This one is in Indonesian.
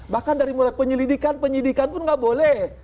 bahkan dari mulai penyelidikan penyidikan pun nggak boleh